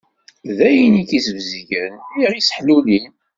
D ayen i ken-isbezgen, i ɣ-isseḥlulin.